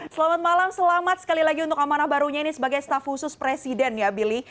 selamat malam selamat sekali lagi untuk amanah barunya ini sebagai staff khusus presiden ya billy